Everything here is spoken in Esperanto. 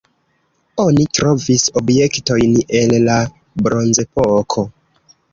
Oni trovis objektojn el la bronzepoko.